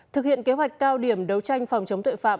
thực hiện kế hoạch cao điểm đấu tranh phòng chống tội phạm